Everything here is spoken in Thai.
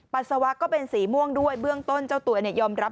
ปัสสาวะก็เป็นสีม่วงด้วยเบื้องต้นเจ้าตัวเนี่ยยอมรับ